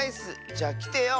じゃきてよ。